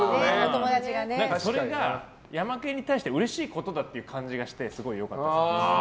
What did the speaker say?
それが、ヤマケンに対してうれしいことだっていう感じがしてすごい良かったです。